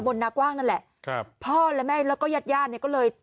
นากว้างนั่นแหละครับพ่อและแม่แล้วก็ญาติญาติเนี่ยก็เลย